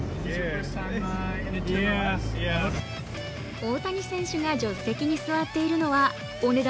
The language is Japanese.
大谷選手が助手席に座っているのはお値段